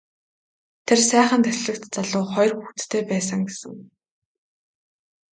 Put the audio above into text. Тэр сайхан дэслэгч залуу хоёр хүүхэдтэй байсан гэсэн.